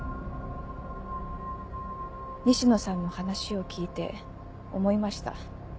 西野さんの話を聞いて思いました。